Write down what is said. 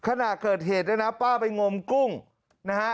ขณะเกิดเหตุเนี่ยนะป้าไปงมกุ้งนะฮะ